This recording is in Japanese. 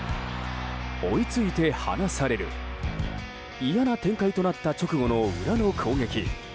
追いついて離される嫌な展開となった直後の裏の攻撃。